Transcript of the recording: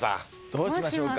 どうしましょうか？